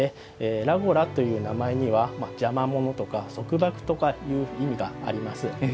らごらという名前には邪魔ものとか束縛という意味があります。